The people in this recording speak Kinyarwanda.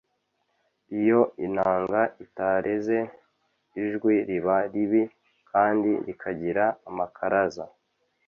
iyo inanga itareze, ijwi riba ribi kandi rikagira amakaraza